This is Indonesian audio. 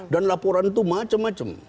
dan laporan itu macem macem